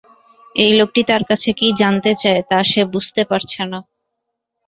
এই লোকটি তার কাছে কী জানতে চায়, তা সে বুঝতে পারছে না।